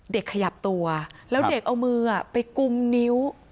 ขยับตัวแล้วเด็กเอามือไปกุมนิ้ว